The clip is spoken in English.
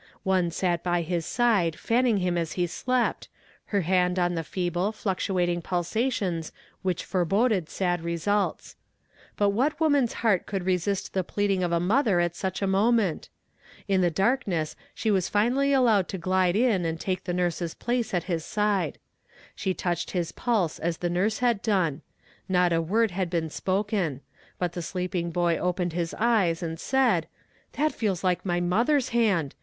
One sat by his side fanning him as he slept, her hand on the feeble, fluctuating pulsations which foreboded sad results. But what woman's heart could resist the pleading of a mother at such a moment? In the darkness she was finally allowed to glide in and take the nurse's place at his side. She touched his pulse as the nurse had done. Not a word had been spoken; but the sleeping boy opened his eyes and said: 'That feels like my mother's hand!